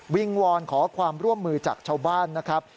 งวอนขอความร่วมมือจากชาวบ้านนะครับ